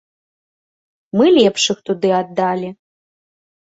Мы лепшых туды аддалі.